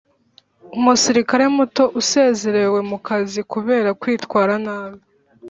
Umusirikare Muto usezerewe mu kazi kubera kwitwara nabi